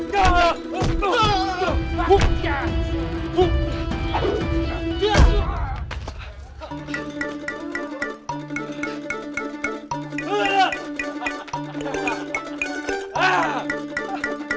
saya barang lebih bagus spiritual